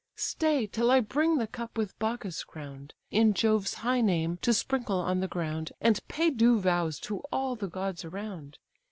Stay, till I bring the cup with Bacchus crown'd, In Jove's high name, to sprinkle on the ground, And pay due vows to all the gods around.